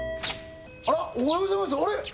あらっおはようございますあれっ？